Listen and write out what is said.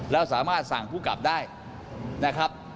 แล้วสามารถสั่งผู้กลับได้นะครับ